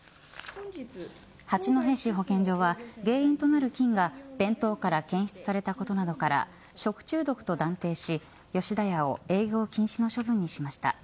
八戸市保健所は原因となる菌が弁当から検出されたことなどから食中毒と断定し吉田屋を営業禁止の処分にしました。